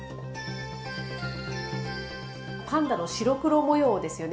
パンダの白黒模様ですよね。